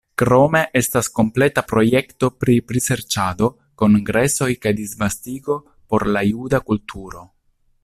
Krome estas kompleta projekto pri priserĉado, kongresoj kaj disvastigo por la juda kulturo.